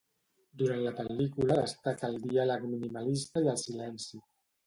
Durant la pel·lícula destaca el diàleg minimalista i el silenci.